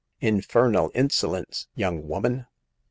" Infernal insolence, young woman